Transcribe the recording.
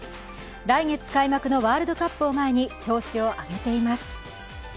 来月開幕のワールドカップを前に調子を上げています。